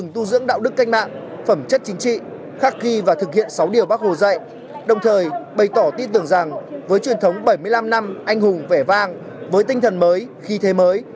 tôi tưởng rằng với truyền thống bảy mươi năm năm anh hùng vẻ vang với tinh thần mới khí thế mới